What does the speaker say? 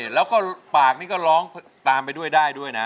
แล้วก็มีก็หลอกตามไปด้วยด้วยนะ